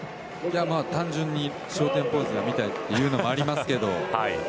単純に昇天ポーズが見たいというのはありますけど。